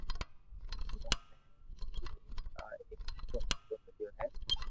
امو نيي ايڪ آ ايڪ سٺو موقو ميليو ھي